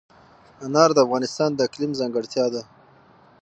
انار د افغانستان د اقلیم ځانګړتیا ده.